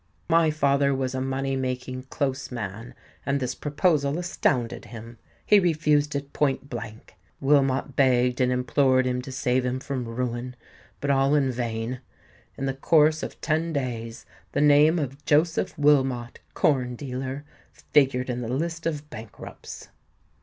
My father was a money making, close man; and this proposal astounded him. He refused it point blank: Wilmot begged and implored him to save him from ruin;—but all in vain. In the course of ten days the name of Joseph Wilmot, corn dealer, figured in the list of Bankrupts."